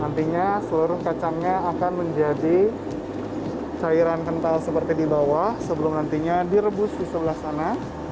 nantinya seluruh kacangnya akan menjadi cairan kental seperti di bawah sebelum nantinya direbus di sebelah sana